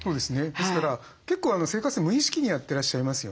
ですから結構生活って無意識にやってらっしゃいますよね。